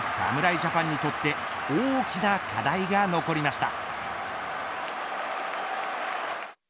ジャパンにとって大きな課題が残りました。